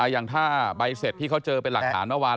อย่างถ้าใบเสร็จที่เขาเจอเป็นหลักฐานเมื่อวาน